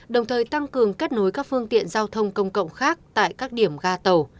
đồng thời tăng cường kết nối các phương tiện giao thông công cộng khác tại các điểm ga tàu